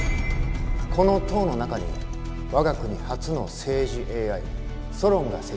この塔の中に我が国初の政治ＡＩソロンが設置されております。